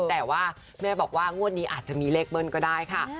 แต่ว่าแม่บอกว่างวดนี้อาจจะมีเลขเบิ้ลก็ได้ค่ะ